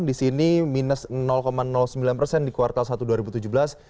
di sini minus sembilan persen di kuartal satu dua ribu tujuh belas